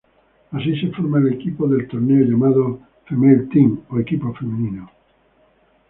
Así se forma el equipo del torneo llamado "Female Team" o equipo femenino.